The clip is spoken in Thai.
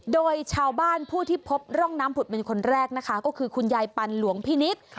โดยชาวบ้านผู้ที่พบร่องน้ำผุดเป็นคนแรกนะคะก็คือคุณยายปันหลวงพินิษฐ์